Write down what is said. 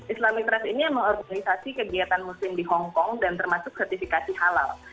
islamic trust ini mengorganisasi kegiatan muslim di hongkong dan termasuk sertifikasi halal